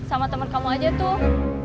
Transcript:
sama temen kamu aja tuh